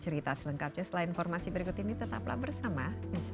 cerita selengkapnya setelah informasi berikut ini tetaplah bersama insight